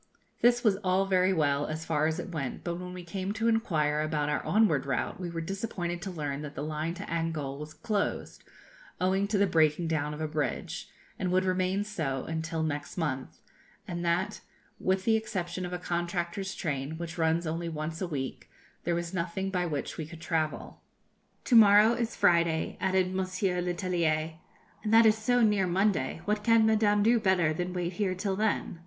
This was all very well, as far as it went, but when we came to inquire about our onward route we were disappointed to learn that the line to Angol was closed, owing to the breaking down of a bridge, and would remain so until next month, and that, with the exception of a contractor's train, which runs only once a week, there was nothing by which we could travel. 'To morrow is Friday,' added Monsieur Letellier, 'and that is so near Monday, what can Madame do better than wait here till then?'